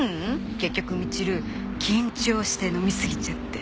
結局みちる緊張して飲みすぎちゃって。